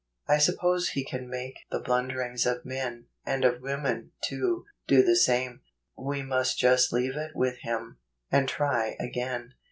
I suppose He can make the blunderings of men, and of women, too, do the same. We must just leave it with Him, and try again.